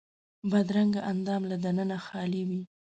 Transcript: بدرنګه اندام له دننه خالي وي